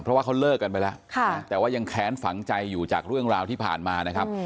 เพราะว่าเขาเลิกกันไปแล้วแต่ว่ายังแค้นฝังใจอยู่จากเรื่องราวที่ผ่านมานะครับ